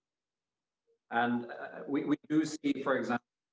dan kita melihat misalnya